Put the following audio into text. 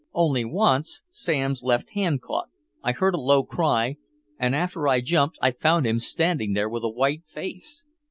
Only once Sam's left hand caught, I heard a low cry, and after I jumped I found him standing there with a white face.